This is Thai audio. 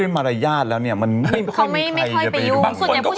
ส่วนใหญ่ผู้ชายไม่ชอบการดูหินยุ่ง